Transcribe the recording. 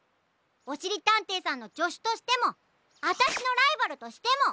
おしりたんていさんのじょしゅとしてもあたしのライバルとしても！